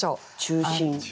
中心。